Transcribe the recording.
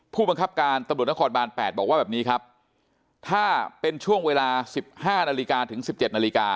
ผู้บังคับการตำรวจทางคอนบาล๘บอกว่าแบบนี้ครับถ้าเป็นช่วงเวลา๑๕นถึง๑๗น